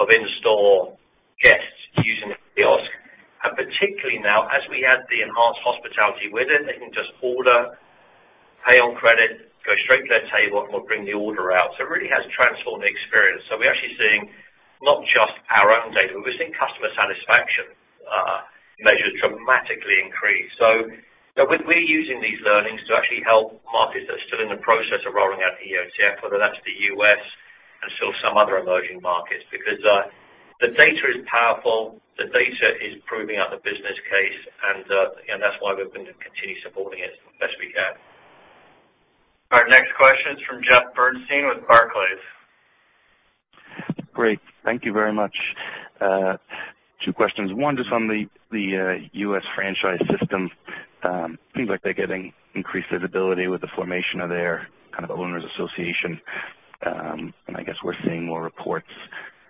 of in-store guests using the kiosk. Particularly now as we add the enhanced hospitality with it, they can just order, pay on credit, go straight to their table, and we'll bring the order out. It really has transformed the experience. We're actually seeing not just our own data, but we're seeing customer satisfaction measures dramatically increase. We're using these learnings to actually help markets that are still in the process of rolling out EOTF, whether that's the U.S. and still some other emerging markets, because the data is powerful. The data is proving out the business case, and that's why we're going to continue supporting it as best we can. Our next question is from Jeff Bernstein with Barclays. Great. Thank you very much. Two questions. One, just on the U.S. franchise system. Seems like they're getting increased visibility with the formation of their Owners Association. I guess we're seeing more reports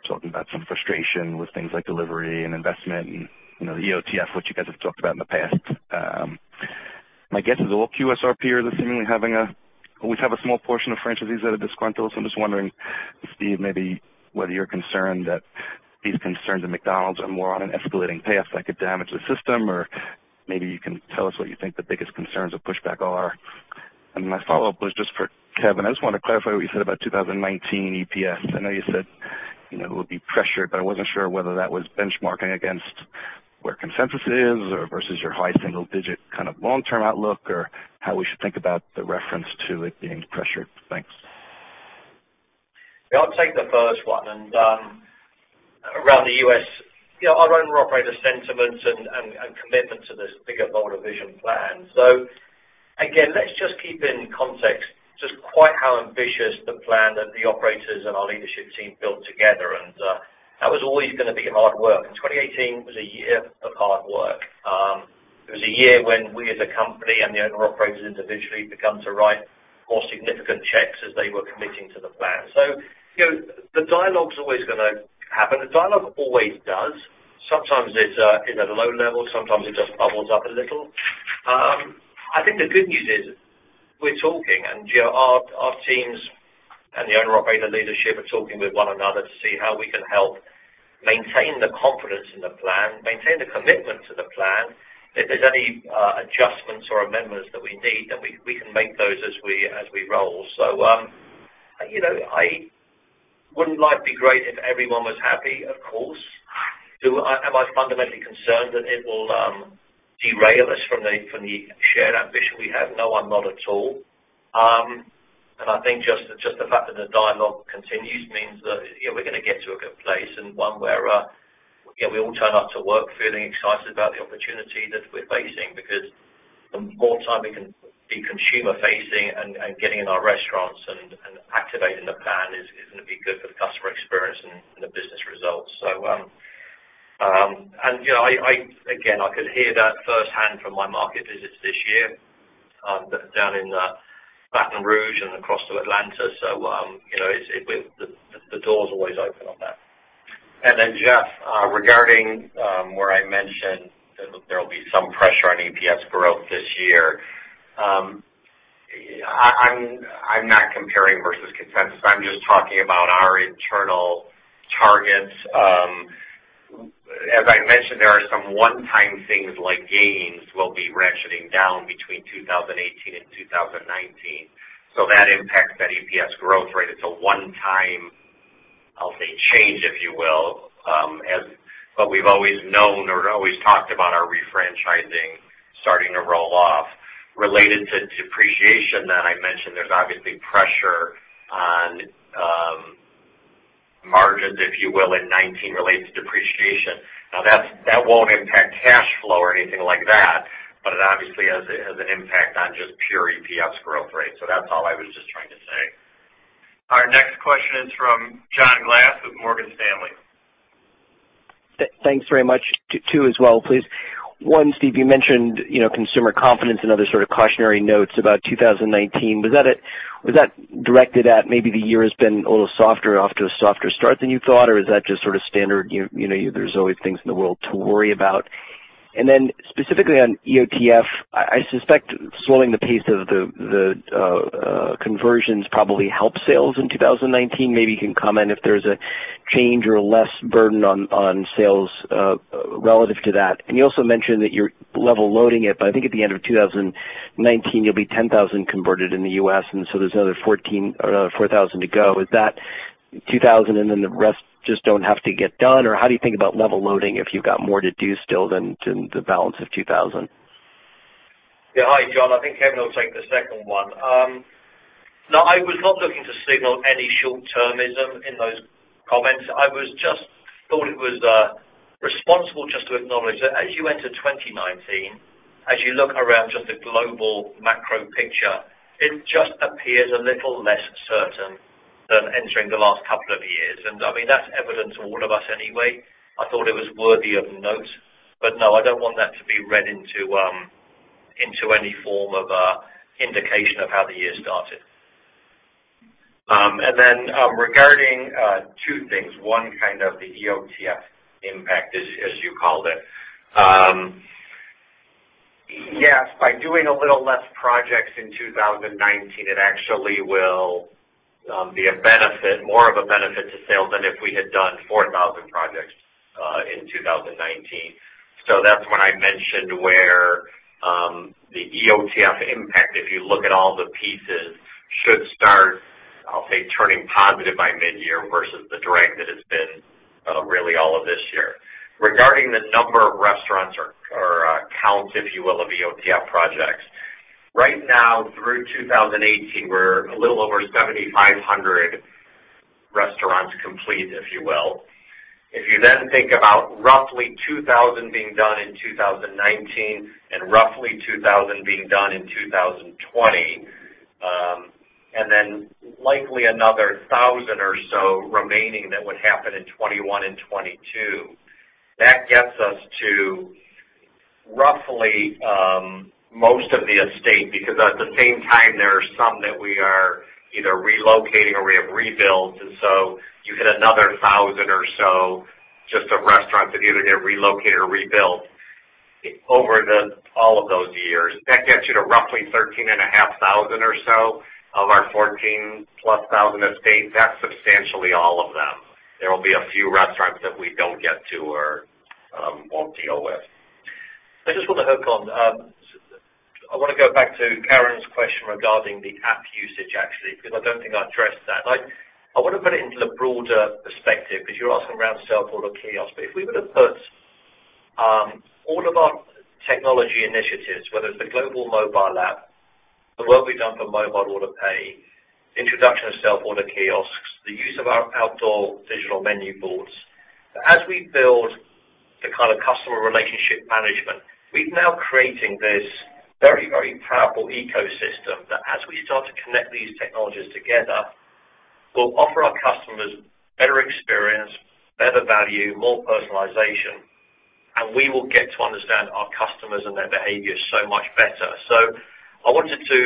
talking about some frustration with things like delivery and investment and, the EOTF, which you guys have talked about in the past. My guess is all QSR peers are seemingly having a always have a small portion of franchisees that are disgruntled. I'm just wondering, Steve, maybe whether you're concerned that these concerns at McDonald's are more on an escalating path that could damage the system, or maybe you can tell us what you think the biggest concerns or pushback are. My follow-up was just for Kevin. I just want to clarify what you said about 2019 EPS. I know you said it would be pressured, but I wasn't sure whether that was benchmarking against where consensus is, or versus your high single digit kind of long-term outlook, or how we should think about the reference to it being pressured. Thanks. Yeah, I'll take the first one. Around the U.S., our Owner/Operator sentiments and commitment to this bigger, bolder vision plan. Again, let's just keep in context just quite how ambitious the plan that the operators and our leadership team built together, that was always going to be hard work. 2018 was a year of hard work. It was a year when we as a company and the Owner/Operators individually had to write more significant checks as they were committing to the plan. The dialogue's always going to happen. The dialogue always does. Sometimes it's at a low level, sometimes it just bubbles up a little. I think the good news is we're talking, our teams and the owner-operator leadership are talking with one another to see how we can help maintain the confidence in the plan, maintain the commitment to the plan. If there's any adjustments or amendments that we need, we can make those as we roll. Wouldn't life be great if everyone was happy? Of course. Am I fundamentally concerned that it will derail us from the shared ambition we have? No, I'm not at all. I think just the fact that the dialogue continues means that we're going to get to a good place and one where we all turn up to work feeling excited about the opportunity that we're facing because the more time we can be consumer-facing and getting in our restaurants and activating the plan is going to be good for the customer experience and the business results. Again, I could hear that firsthand from my market visits this year, down in Baton Rouge and across to Atlanta. The door's always open on that. Jeff, regarding where I mentioned that there'll be some pressure on EPS growth this year. I'm not comparing versus consensus. I'm just talking about our internal targets. As I mentioned, there are some one-time things like gains will be ratcheting down between 2018 and 2019. That impacts that EPS growth rate. It's a one-time, I'll say change, if you will. We've always known or always talked about our refranchising starting to roll off. Related to depreciation that I mentioned, there's obviously pressure on margins, if you will, in 2019 related to depreciation. That won't impact cash flow or anything like that, but it obviously has an impact on just pure EPS growth rate. That's all I was just trying to say. Our next question is from John Glass with Morgan Stanley. Thanks very much. Two as well, please. One, Steve, you mentioned consumer confidence and other sort of cautionary notes about 2019. Was that directed at maybe the year has been a little softer, off to a softer start than you thought, or is that just sort of standard, there's always things in the world to worry about? Specifically on EOTF, I suspect slowing the pace of the conversions probably help sales in 2019. Maybe you can comment if there's a change or less burden on sales relative to that. You also mentioned that you're level loading it, but I think at the end of 2019, you'll be 10,000 converted in the U.S., there's another 4,000 to go. Is that 2,000 the rest just don't have to get done, or how do you think about level loading if you've got more to do still than the balance of 2,000? Yeah. Hi, John. I think Kevin will take the second one. No, I was not looking to signal any short-termism in those comments. I just thought it was responsible just to acknowledge that as you enter 2019, as you look around just the global macro picture, it just appears a little less certain than entering the last couple of years. I mean, that's evident to all of us anyway. I thought it was worthy of note. No, I don't want that to be read into any form of indication of how the year started. Regarding two things, one, kind of the EOTF impact, as you called it. Yes, by doing a little less projects in 2019, it actually will be more of a benefit to sales than if we had done 4,000 projects in 2019. That's when I mentioned where the EOTF impact, if you look at all the pieces, should start, I'll say, turning positive by mid-year versus the drag that it's been really all of this year. Regarding the number of restaurants or count, if you will, of EOTF projects, right now through 2018, we're a little over 7,500 restaurants complete, if you will. If you think about roughly 2,000 being done in 2019 and roughly 2,000 being done in 2020, then likely another 1,000 or so remaining that would happen in 2021 and 2022, that gets us to roughly most of the estate because at the same time, there are some that we are either relocating or we have rebuilds, so you hit another 1,000 or so just of restaurants that either get relocated or rebuilt over all of those years. That gets you to roughly 13,500 or so of our 14,000+ estate. That's substantially all of them. There will be a few restaurants that we don't get to or won't deal with. I just want to hook on. I want to go back to Karen's question regarding the app usage, actually, because I don't think I addressed that. I want to put it into the broader perspective because you're asking around self-order kiosks. If we were to put all of our technology initiatives, whether it's the global mobile app, the work we've done for Mobile Order & Pay, introduction of self-order kiosks, the use of our outdoor digital menu boards. As we build the kind of customer relationship management, we're now creating this very, very powerful ecosystem that as we start to connect these technologies together, will offer our customers better experience, better value, more personalization, and we will get to understand our customers and their behavior so much better. I wanted to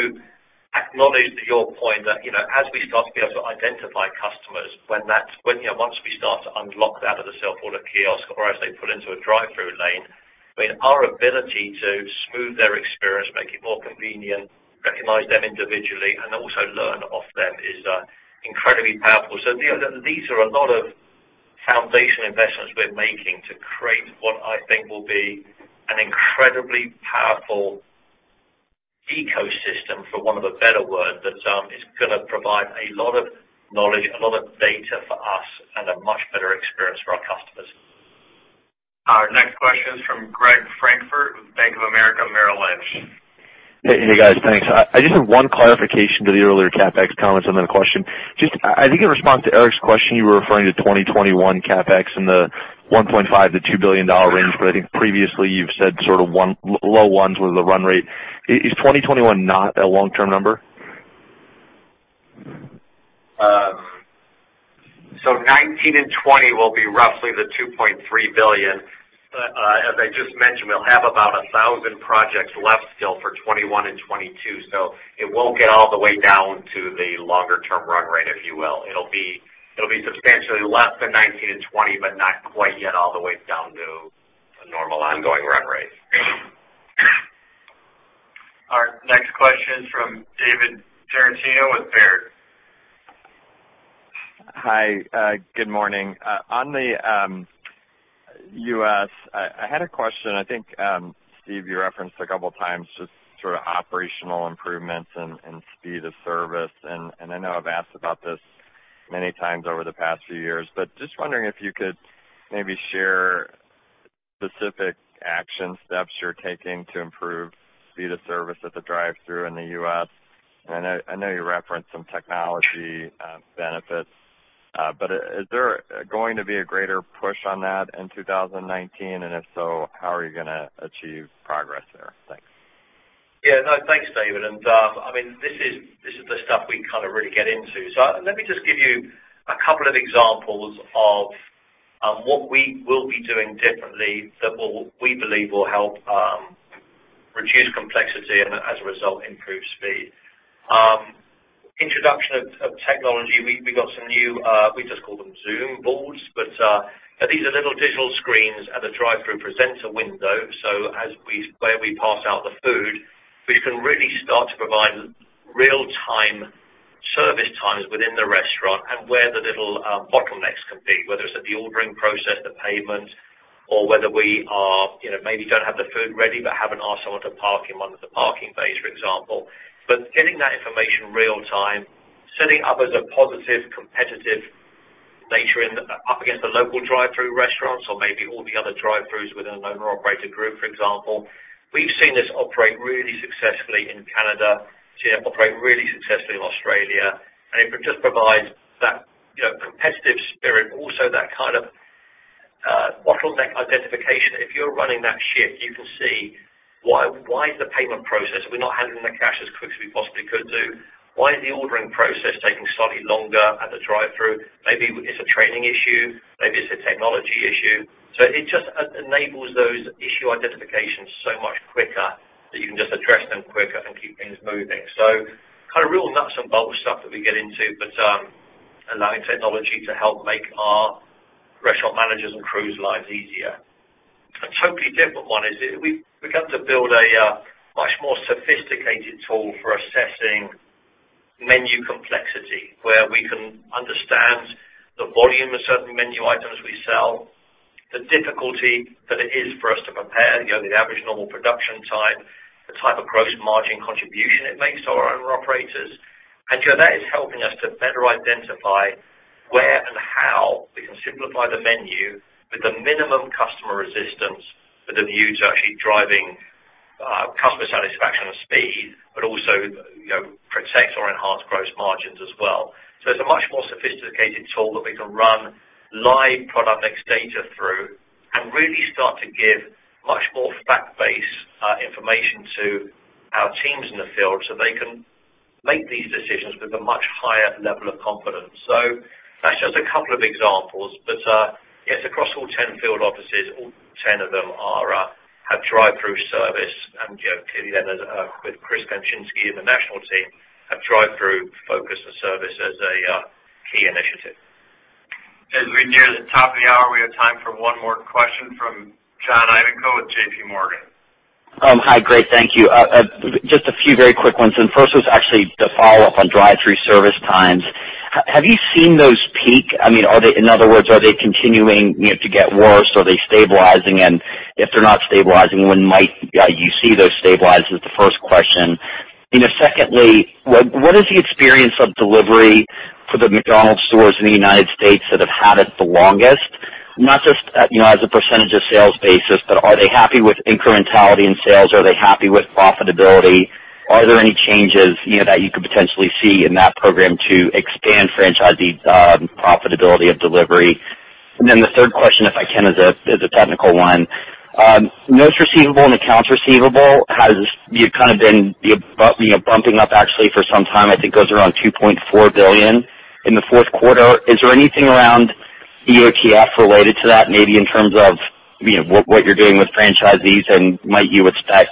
acknowledge to your point that as we start to be able to identify customers, once we start to unlock that at a self-order kiosk or as they pull into a drive-thru lane, our ability to smooth their experience, make it more convenient, recognize them individually, and also learn off them is incredibly powerful. These are a lot of foundation investments we're making to create what I think will be an incredibly powerful ecosystem, for want of a better word, that is going to provide a lot of knowledge, a lot of data for us, and a much better experience for our customers. Our next question is from Greg Francfort with Bank of America Merrill Lynch. Hey, guys. Thanks. I just have one clarification to the earlier CapEx comments, and then a question. Just I think in response to Eric's question, you were referring to 2021 CapEx in the $1.5 billion-$2 billion range, I think previously you've said sort of low $1 billion was the run rate. Is 2021 not a long-term number? 2019 and 2020 will be roughly the $2.3 billion. As I just mentioned, we'll have about 1,000 projects left still for 2021 and 2022, so it won't get all the way down to the longer-term run rate, if you will. It'll be substantially less than 2019 and 2020, but not quite yet all the way down to a normal ongoing run rate. Our next question is from David Tarantino with Baird. Hi. Good morning. On the U.S., I had a question. I think, Steve, you referenced a couple of times just sort of operational improvements and speed of service, I know I've asked about this many times over the past few years. Just wondering if you could maybe share specific action steps you're taking to improve speed of service at the drive-thru in the U.S. I know you referenced some technology benefits. Is there going to be a greater push on that in 2019? If so, how are you going to achieve progress there? Thanks. Yeah. No, thanks, David. This is the stuff we really get into. Let me just give you a couple of examples of what we will be doing differently that we believe will help reduce complexity and as a result, improve speed. Introduction of technology. We got some new, we just call them Zoom boards, but these are little digital screens at the drive-thru presenter window. Where we pass out the food, we can really start to provide real-time service times within the restaurant and where the little bottlenecks can be, whether it's at the ordering process, the payment, or whether we maybe don't have the food ready, but haven't asked someone to park in one of the parking bays, for example. Getting that information real-time, setting up as a positive competitive nature up against the local drive-thru restaurants or maybe all the other drive-thrus within an Owner/Operator group, for example. We've seen this operate really successfully in Canada, operate really successfully in Australia, and it just provides that competitive spirit, also that kind of bottleneck identification. If you're running that shift, you can see why is the payment process? Are we not handling the cash as quickly as we possibly could? Why is the ordering process taking slightly longer at the drive-thru? Maybe it's a training issue. Maybe it's a technology issue. It just enables those issue identifications so much quicker that you can just address them quicker and keep things moving. Real nuts and bolts stuff that we get into, but allowing technology to help make our restaurant managers' and crews' lives easier. A totally different one is we've begun to build a much more sophisticated tool for assessing menu complexity, where we can understand the volume of certain menu items we sell, the difficulty that it is for us to prepare, the average normal production time, the type of gross margin contribution it makes to our Owner/Operators. That is helping us to better identify where and how we can simplify the menu with the minimum customer resistance with a view to actually driving customer satisfaction and speed, but also protect or enhance gross margins as well. It's a much more sophisticated tool that we can run live product mix data through and really start to give much more fact-based information to our teams in the field so they can make these decisions with a much higher level of confidence. That's just a couple of examples, but yes, across all 10 field offices, all 10 of them have drive-thru service and with Chris Kempczinski and the national team, have drive-thru focus and service as a key initiative. As we near the top of the hour, we have time for one more question from John Ivankoe with JPMorgan. Hi. Great. Thank you. Just a few very quick ones. First was actually the follow-up on drive-thru service times. Have you seen those peak? In other words, are they continuing to get worse? Are they stabilizing? If they're not stabilizing, when might you see those stabilize? That's the first question. Secondly, what is the experience of delivery for the McDonald's stores in the United States that have had it the longest? Not just as a percentage of sales basis, but are they happy with incrementality in sales? Are they happy with profitability? Are there any changes that you could potentially see in that program to expand franchisee profitability of delivery? Then the third question, if I can, is a technical one. Notes receivable and accounts receivable has been bumping up actually for some time. I think it was around $2.4 billion in the fourth quarter. Is there anything around EOTF related to that, maybe in terms of what you're doing with franchisees and might you expect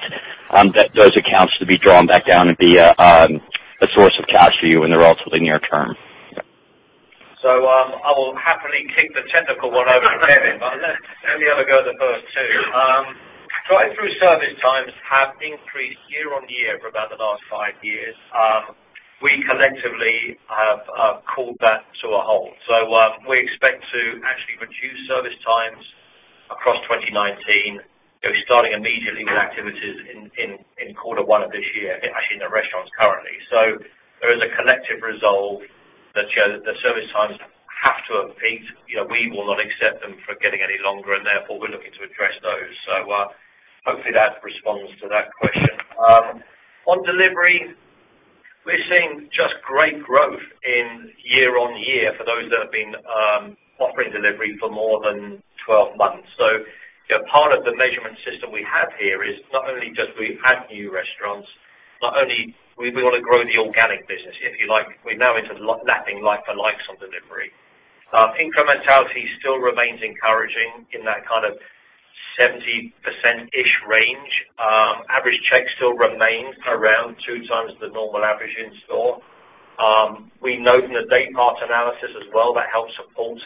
those accounts to be drawn back down and be a source of cash for you in the relatively near term? I will happily kick the technical one over to Kevin, but let me have a go at the first two. Drive-thru service times have increased year-on-year for about the last five years. We collectively have called that to a halt. We expect to actually reduce service times across 2019, starting immediately with activities in quarter one of this year, actually in the restaurants currently. There is a collective resolve that the service times have to abate. We will not accept them for getting any longer, therefore, we're looking to address those. Hopefully, that responds to that question. On delivery, we're seeing just great growth year-on-year for those that have been offering delivery for more than 12 months. Part of the measurement system we have here is not only just we've had new restaurants, not only we want to grow the organic business, if you like, we're now into lapping like for likes on delivery. Incrementality still remains encouraging in that kind of 70%-ish range. Average check still remains around 2x the normal average in store. We note in the data mart analysis as well, that helps support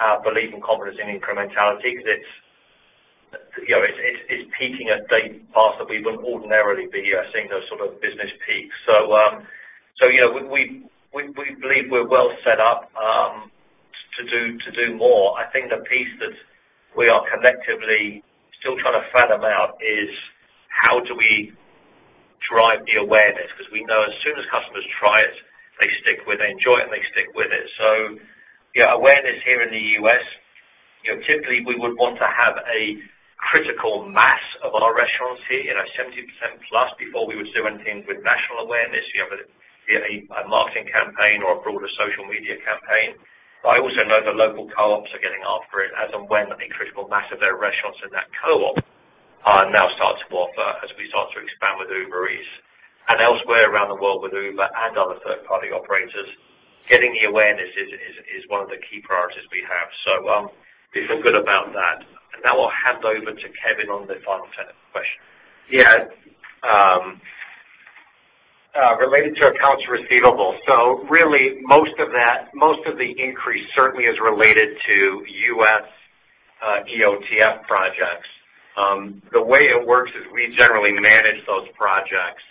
our belief and confidence in incrementality because it's peaking at date parts that we wouldn't ordinarily be seeing those sort of business peaks. We believe we're well set up to do more. I think the piece that we are collectively still trying to fathom out is how do we drive the awareness, because we know as soon as customers try it, they enjoy it, and they stick with it. Awareness here in the U.S., typically, we would want to have a critical mass of our restaurants here, 77+, before we would do anything with national awareness, be it a marketing campaign or a broader social media campaign. I also know the local co-ops are getting after it as and when the critical mass of their restaurants in that co-op now start to offer, as we start to expand with Uber Eats. Elsewhere around the world with Uber and other third-party operators, getting the awareness is one of the key priorities we have. We feel good about that. Now I'll hand over to Kevin on the final question. Yeah. Related to accounts receivable. Really, most of the increase certainly is related to U.S. EOTF projects. The way it works is we generally manage those projects.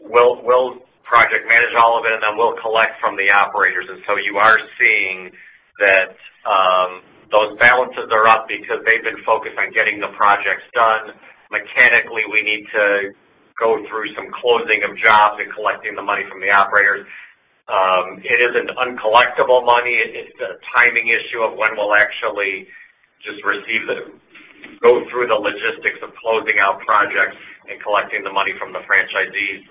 We'll project manage all of it, and then we'll collect from the operators. You are seeing that those balances are up because they've been focused on getting the projects done. Mechanically, we need to go through some closing of jobs and collecting the money from the operators. It isn't uncollectible money. It's a timing issue of when we'll actually just go through the logistics of closing out projects and collecting the money from the franchisees.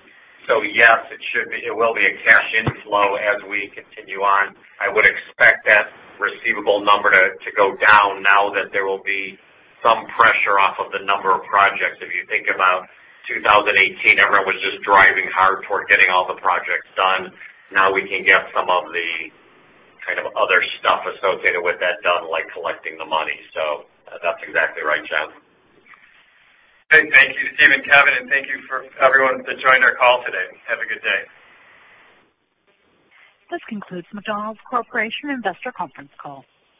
Yes, it will be a cash inflow as we continue on. I would expect that receivable number to go down now that there will be some pressure off of the number of projects. If you think about 2018, everyone was just driving hard toward getting all the projects done. Now we can get some of the other stuff associated with that done, like collecting the money. That's exactly right, John. Thank you, Steve and Kevin, thank you for everyone that joined our call today. Have a good day. This concludes McDonald's Corporation investor conference call.